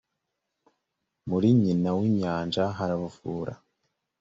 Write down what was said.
muri nyina w’ inyanja haravura